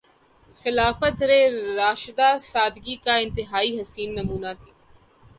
خلافت راشدہ سادگی کا انتہائی حسین نمونہ تھی۔